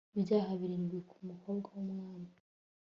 Ibyaha birindwi ku mukobwa wUmwami